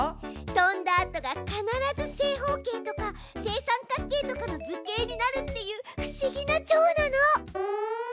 飛んだあとが必ず正方形とか正三角形とかの図形になるっていう不思議なチョウなの！